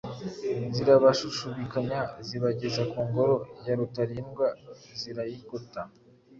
zirabashushubikanya zibageza ku ngoro ya Rutalindwa zirayigota.